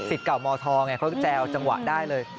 สิทธิ์เก่ามธเขาแจวจังหวะได้เลย